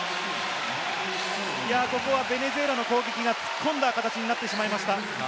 ベネズエラの攻撃が突っ込んだ形になってしまいました。